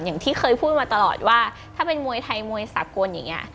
อย่างที่เคยพูดมาตลอดว่าถ้าเป็นมวยไทยมวยสากลอย่างนี้